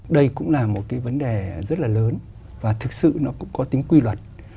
đây cũng là một cái vấn đề rất là lớn và thực sự nó cũng có tính quy luật